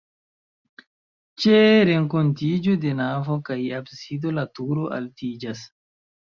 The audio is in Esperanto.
Ĉe renkontiĝo de navo kaj absido la turo altiĝas.